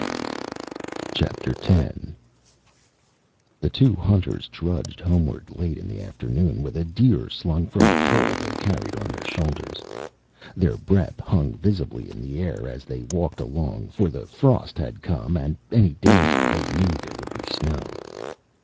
X The two hunters trudged homeward late in the afternoon, with a deer slung from a pole they carried on their shoulders. Their breath hung visibly in the air as they walked along, for the frost had come and any day now, they knew, there would be snow.